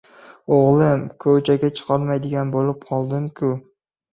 o‘g‘lim, ko‘- chaga chiqolmaydigan bo‘lib qoldim-ku!